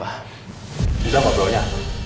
udah apa bro nya